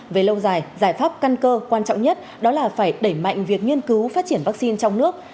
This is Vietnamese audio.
về lâu dài giải pháp căn cơ quan trọng nhất đó là phải đẩy mạnh việc nghiên cứu phát triển vaccine trong nước